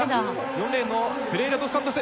４レーンのフェレイラ・ドス・サントス。